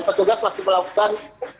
dan petugas masih melakukan